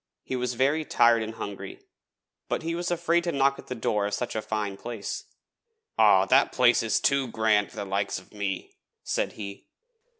He was very tired and hungry, but he was afraid to knock at the door of such a fine place. 'Aw, that place is too gran' for the likes of me!' said he.